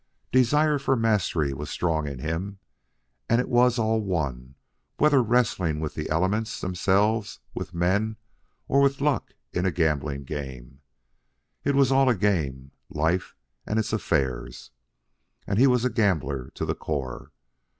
Desire for mastery was strong in him, and it was all one whether wrestling with the elements themselves, with men, or with luck in a gambling game. It was all a game, life and its affairs. And he was a gambler to the core.